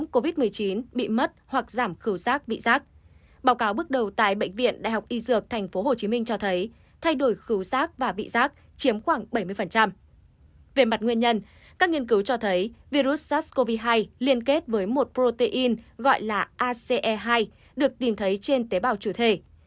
các nghiên cứu cho thấy virus sars cov hai liên kết với một protein gọi là ace hai được tìm thấy trên tế bào chủ thể